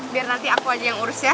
biar nanti aku aja yang urus ya